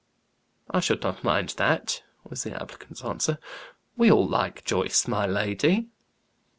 "I should not mind that," was the applicant's answer. "We all like Joyce, my lady."